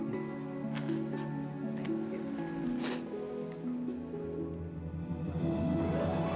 pernah nggak tahu apa apa